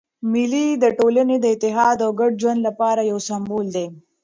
مېلې د ټولني د اتحاد او ګډ ژوند له پاره یو سېمبول دئ.